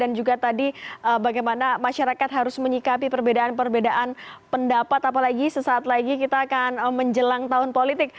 dan juga tadi bagaimana masyarakat harus menyikapi perbedaan perbedaan pendapat apalagi sesaat lagi kita akan menjelang tahun politik